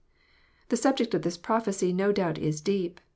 The subject of this prophecy no doubt is deep.